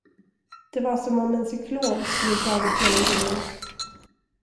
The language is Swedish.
Det var som om en cyklon skulle dragit genom rummen.